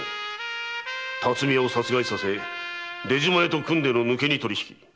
巽屋を殺害させ出島屋と組んでの抜け荷取り引き。